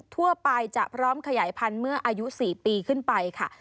ทั่วไปจะพร้อมขยายพันธุ์เมื่ออายุ๔ปีขึ้นไปค่ะ